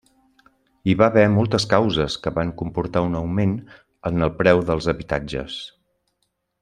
Hi va haver moltes causes que van comportar un augment en el preu dels habitatges.